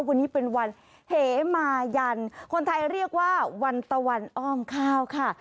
วันนี้เป็นวันเหมายันคนไทยเรียกว่าวันตะวันอ้อมข้าวค่ะ